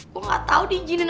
gue gak tau di jenis apa